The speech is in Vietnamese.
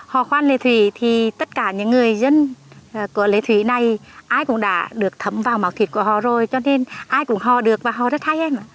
hò khoa lệ thủy thì tất cả những người dân của lệ thủy này ai cũng đã được thấm vào màu thuyệt của họ rồi cho nên ai cũng hò được và hò rất hay em ạ